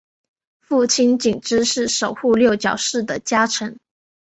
父亲景之是守护六角氏的家臣。